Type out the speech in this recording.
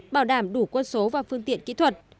bảo đảm đủ quân số và phương tiện kỹ thuật